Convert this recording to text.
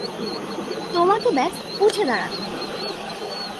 তোমাকে ব্যস উঠে দাঁড়াতে হবে।